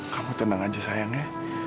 kamu tenang aja sayangnya